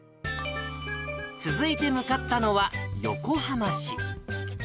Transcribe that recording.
続いて向かったのは、横浜市。